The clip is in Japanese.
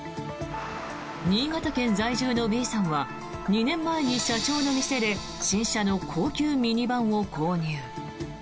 新潟県在住のＢさんは２年前に社長の店で新車の高級ミニバンを購入。